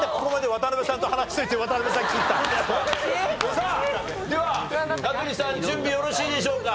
さあでは名取さん準備よろしいでしょうか？